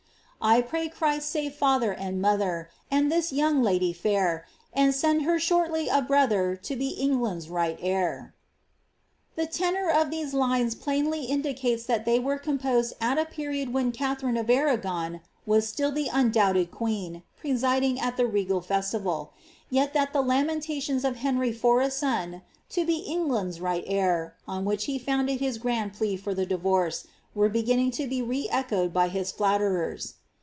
I pray Christ save father and mother. And tliis young lady fair. And send her shortly a brother To be England's right heir/' The tenour of these lines plainly indicates that they were composed at a period when Katharine of Arragon was still the undoubted queen, presiding at the regal festival ; yet that the lamentations of Henry for a •on, ^ to be England's right heir," on which he founded his grand plea for the divorce, were beginning to be re echoed by his flatterers.